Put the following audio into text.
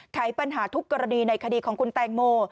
ไขปัญหาทุกกรณีในคดีของคุณแตงโม